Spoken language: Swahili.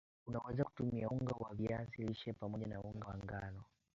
unaweza kutumiaunga wa viazi lishe pamoja na unga wa ngano